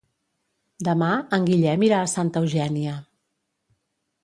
Demà en Guillem irà a Santa Eugènia.